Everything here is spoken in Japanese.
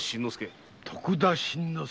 徳田新之助。